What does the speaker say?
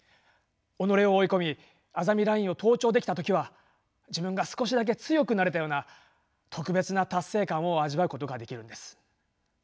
己を追い込みあざみラインを登頂できた時は自分が少しだけ強くなれたような特別な達成感を味わうことができるんです。